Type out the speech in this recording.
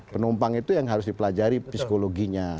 penumpang itu yang harus dipelajari psikologinya